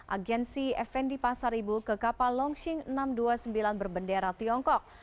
agensi fn di pasar ibu ke kapal longxing enam ratus dua puluh sembilan berbendera tiongkok